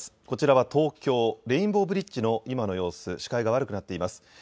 こちらは東京、レインボーブリッジの今の様子、視界が悪くなっています。